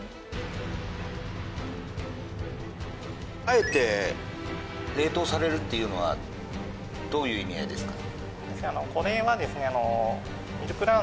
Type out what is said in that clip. あえて冷凍されるっていうのはどういう意味合いですか？